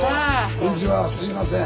こんにちはすいません。